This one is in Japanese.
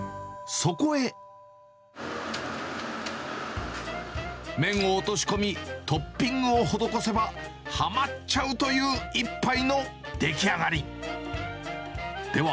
そこへ麺を落とし込み、トッピングを施せば、はまっちゃうという一杯の出来上がり。